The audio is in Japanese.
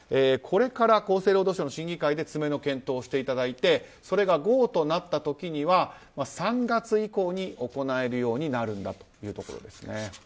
これから厚生労働省の審議会で詰めの検討をしていただいてそれがゴーとなった時には３月以降に行えるようになるんだというところですね。